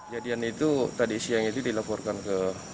jadian itu tadi siang itu dilaporkan ke